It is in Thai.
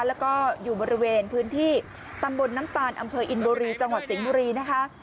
แล้วก็อยู่บริเวณพื้นที่ตำบลน้ำตาลอำเภออินบุรีจังหวัดสิงห์บุรีนะคะ